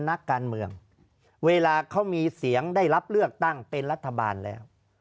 นักการเมืองเวลาเขามีเสียงได้รับเลือกตั้งเป็นรัฐบาลแล้ว